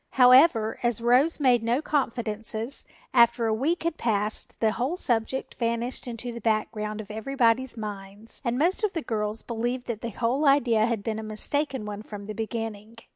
However, as Rose made no confidences, after a week had passed the whole subject vanished into the background of everybody's minds and most of the girls believed that the whole idea had been a mistaken one from the beginning.